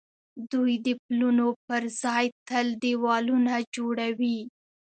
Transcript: دوی د پلونو پر ځای تل دېوالونه جوړوي.